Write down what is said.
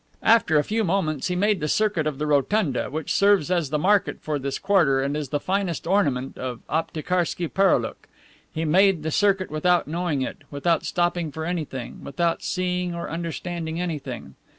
After a few moments he made the circuit of the Rotunda, which serves as the market for this quarter and is the finest ornament of Aptiekarski Pereoulok. He made the circuit without knowing it, without stopping for anything, without seeing or understanding anything.